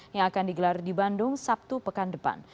yang akan digelar di bandung sabtu pekan depan